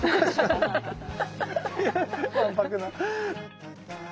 わんぱくな。